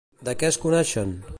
De què es coneixen?